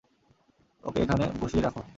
ওকে এখানে বসিয়ে রাখো।